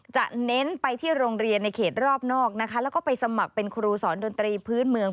เน้นไปที่โรงเรียนในเขตรอบนอกนะคะแล้วก็ไปสมัครเป็นครูสอนดนตรีพื้นเมือง